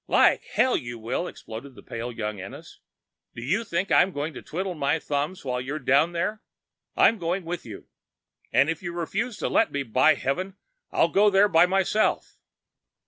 "Like hell you will!" exploded the pale young Ennis. "Do you think I'm going to twiddle my thumbs while you're down there? I'm going with you. And if you refuse to let me, by heaven I'll go there myself!"